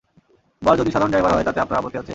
বর যদি সাধারণ ড্রাইভার হয় তাতে আপনার আপত্তি আছে?